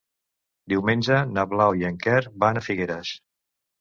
Diumenge na Blau i en Quer van a Figueres.